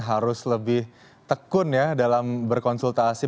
harus lebih tekun ya dalam berkonsultasi